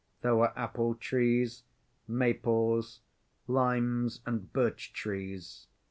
There were apple‐trees, maples, limes and birch‐trees.